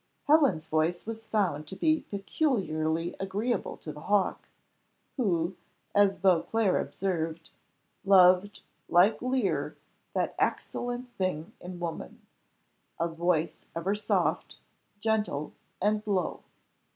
Helen's voice was found to be peculiarly agreeable to the hawk, who, as Beauclerc observed, loved, like Lear, that excellent thing in woman, a voice ever soft, gentle, and low.